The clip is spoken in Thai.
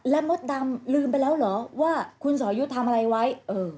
และมดดำลืมไปแล้วเหรอว่าคุณสอยุทธ์ทำอะไรไว้เออ